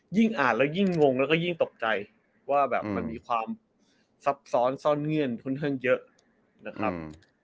อ่านแล้วยิ่งงงแล้วก็ยิ่งตกใจว่าแบบมันมีความซับซ้อนซ่อนเงื่อนค่อนข้างเยอะนะครับ